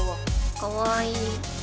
かわいい。